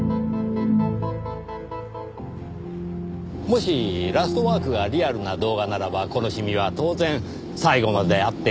もし『ラストワーク』がリアルな動画ならばこのシミは当然最後まであってしかるべきものです。